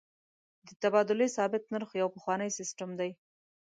د تبادلې ثابت نرخ یو پخوانی سیستم دی.